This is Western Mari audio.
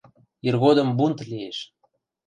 — Иргодым бунт лиэш...